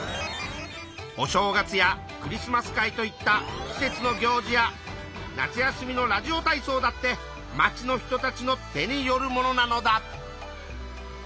お正月やクリスマス会といった季節の行事や夏休みのラジオ体そうだってまちの人たちの手によるものなのだ。